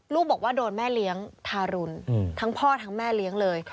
บอกว่าโดนแม่เลี้ยงทารุณทั้งพ่อทั้งแม่เลี้ยงเลย